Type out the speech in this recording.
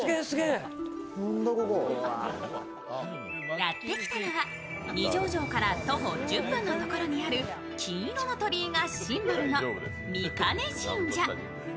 やって来たのは二条城から徒歩１０分のところにある金色の鳥居がシンボルの御金神社。